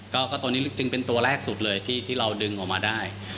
ก็ตัวนี้จึงเป็นตัวแรกสุดเลยที่เราดึงออกมาได้